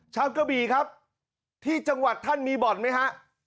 ชาวเก้าบีครับที่จังหวัดท่านมีบอร์ดไหมฮะ